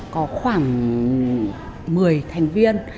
có khoảng một mươi thành viên